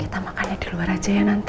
kita makannya diluar aja ya nanti